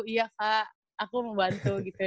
iya kak aku mau bantu